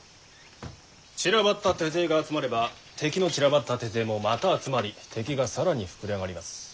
散らばった手勢が集まれば敵の散らばった手勢もまた集まり敵が更に膨れ上がります。